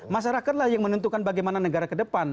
masyarakatlah yang menentukan bagaimana negara ke depan